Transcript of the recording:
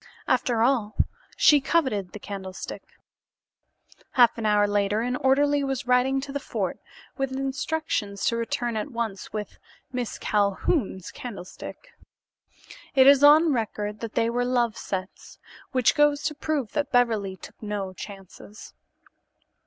After all, she coveted the candlestick. Half an hour later an orderly was riding to the fort with instructions to return at once with Miss Calhoun's candlestick. It is on record that they were "love" sets, which goes to prove that Beverly took no chances.